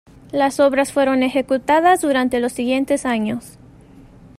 Las obras fueron ejecutadas durante los siguientes años.